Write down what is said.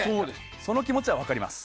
その気持ちは分かります。